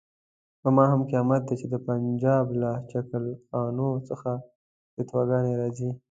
پر ما هم قیامت دی چې د پنجاب له چکله خانو څخه فتواګانې راځي.